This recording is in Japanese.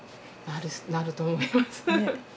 なると思います。